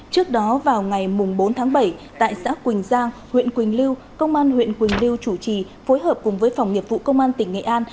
trước đó vào ngày bốn tháng bảy tại xã quỳnh giang huyện quỳnh lưu công an huyện quỳnh lưu chủ trì phối hợp cùng với phòng nghiệp vụ công an tỉnh nghệ an